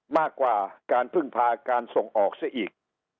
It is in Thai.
มากกว่าการพึ่งพาการส่งออกซะอีก